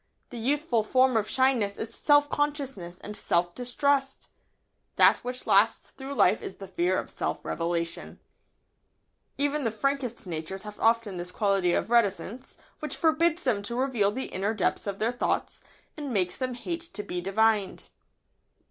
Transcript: The youthful form of shyness is self consciousness and self distrust. That which lasts through life is the fear of self revelation. [Sidenote: And reticence.] Even the frankest natures have often this quality of reticence, which forbids them to reveal the inner depths of their thoughts, and makes them hate to be divined.